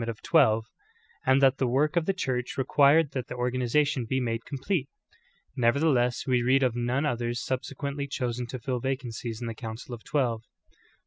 8 THE GREAT APOSTASY. of twelve; and that the work of the Church required that the organization be made complete. Nevertheless, w^e read of none others subsequently chosen to fill vacancies in the council of twelve.